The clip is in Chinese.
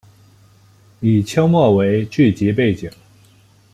以清末为剧集背景。